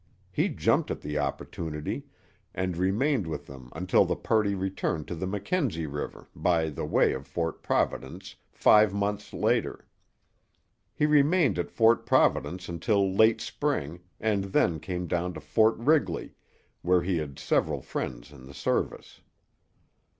He jumped at the opportunity, and remained with them until the party returned to the Mackenzie River by the way of Fort Providence five months later. He remained at Fort Providence until late spring, and then came down to Fort Wrigley, where he had several friends in the service.